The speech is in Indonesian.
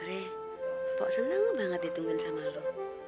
re pokok senang banget ditungguin sama lo